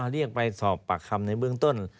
เรียกไปสอบปากคำในเบื้องต้น